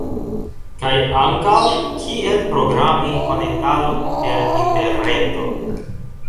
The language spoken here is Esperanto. Kaj ankaŭ kiel programi konektadon per interreto